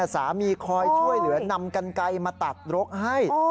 สามีคอยช่วยเหลือนำกันไกลมาตัดรกให้